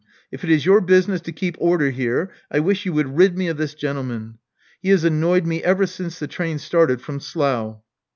If it is your business to keep order here, I wish you would rid me of this gentle man. He has annoyed me ever since the train started from Slough."